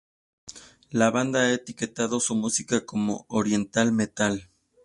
La banda ha etiquetado su música como "Oriental metal".